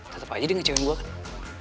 tetep aja dia ngecewin gue kan